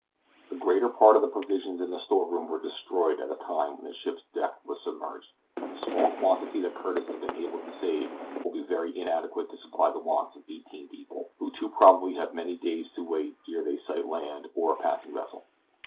The greater part of the provisions in the store room were destroyed at the time when the ship's deck was submerged, and the small quantity that Curtis has been able to save will be very inadequate to supply the wants of eighteen people, who too probably have many days to wait ere they sight either land or a passing vessel.